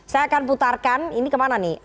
saya akan putarkan ini kemana nih